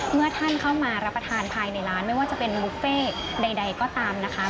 เมื่อท่านเข้ามารับประทานภายในร้านไม่ว่าจะเป็นบุฟเฟ่ใดก็ตามนะคะ